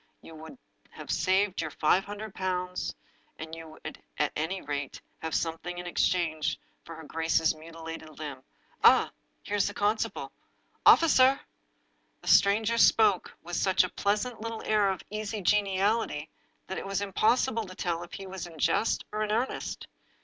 You would have saved your five hundred pounds, and you would, at any rate, have something in exchange for her grace's mutilated limb. Ah, here is the constable! Officer!" The stranger spoke with such a pleasant little air of easy geniality that it was impossible to tell if he were in jest or in earnest.